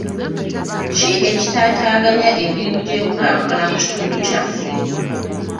Ki ekitaataaganya emirimu gy'enkulaakulana mu kitundu kyaffe?